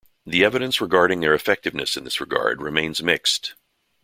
The evidence regarding their effectiveness in this regard remains mixed.